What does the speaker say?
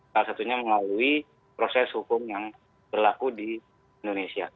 salah satunya melalui proses hukum yang berlaku di indonesia